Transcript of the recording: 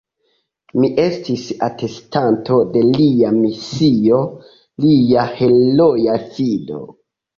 Mi estis atestanto de Lia misio, Lia heroa fido.